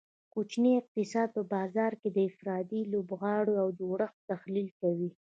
کوچنی اقتصاد په بازار کې د انفرادي لوبغاړو او جوړښت تحلیل کوي